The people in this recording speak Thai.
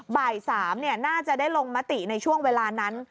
บ่าย๓น่าจะได้ลงมติในช่วงเวลานั้น